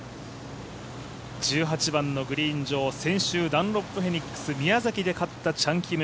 １８番のグリーン上、先週、ダンロップフェニックス宮崎で勝った、チャン・キム。